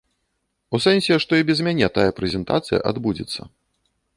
У сэнсе, што і без мяне тая прэзентацыя адбудзецца.